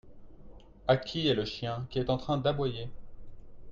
À qui est le chien qui est en train d'aboyer ?